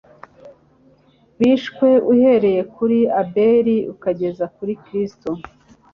bishwe uhereye kuri Abeli ukageza kuri Kristo.